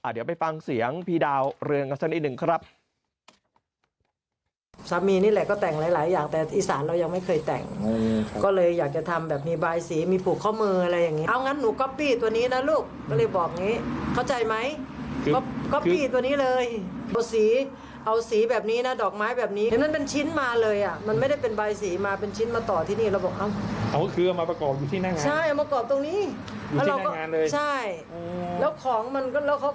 เดี๋ยวไปฟังเสียงพี่ดาวเรืองกันสักนิดหนึ่งครับ